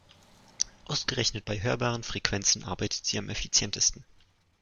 Ausgerechnet bei hörbaren Frequenzen arbeitet sie am effizientesten.